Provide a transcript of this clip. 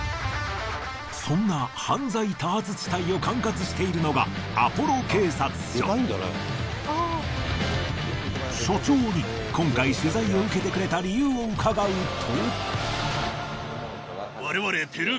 そんな犯罪多発地帯を管轄しているのが署長に今回取材を受けてくれた理由をうかがうと。